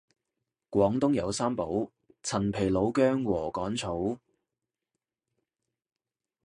廣東有三寶陳皮老薑禾桿草